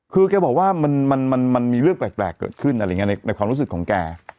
คือแกบอกว่ามันมีเรื่องแปลกเกิดขึ้นอะไรอย่างนี้ในความรู้สึกของแก